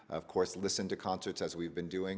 tentu saja dengar konser seperti yang kita lakukan